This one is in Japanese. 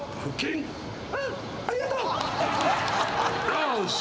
よし。